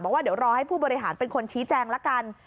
บอกว่าเดี๋ยวรอให้ผู้บริหารเป็นคนชี้แจงละกัน